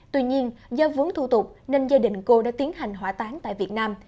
tuy nhiên do vướng thủ tục nên gia đình cô đã tiến hành hỏa tán tại việt nam